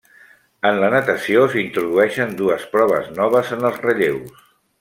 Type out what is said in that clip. En la natació s'introdueixen dues proves noves en els relleus.